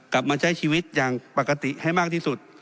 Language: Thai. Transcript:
กลับมาใช้ชีวิตอย่างปกติให้มากที่สุด